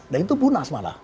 dan itu munas malah